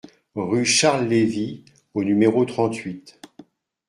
Rue Charles Levy au numéro trente-huit